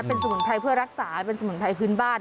เป็นสมุนไพรเพื่อรักษาเป็นสมุนไพรพื้นบ้าน